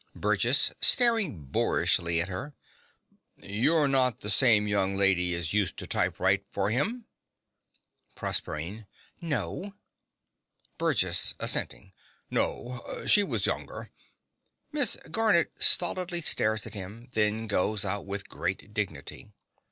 BURGESS (staring boorishly at her). You're not the same young lady as used to typewrite for him? PROSERPINE. No. BURGESS (assenting). No: she was younger. (Miss Garnett stolidly stares at him; then goes out with great dignity.